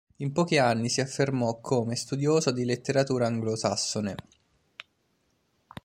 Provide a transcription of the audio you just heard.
In pochi anni si affermò come studioso di letteratura anglosassone.